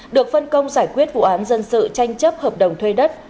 được phân công giải quyết vụ án dân sự tranh chấp hợp đồng thuê đất